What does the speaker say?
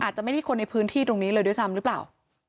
อาจจะไม่ได้คนในพื้นที่ตรงนี้เลยด้วยซ้ำหรือเปล่า